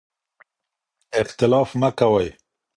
اختلاف مه کوئ.